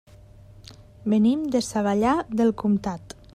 Venim de Savallà del Comtat.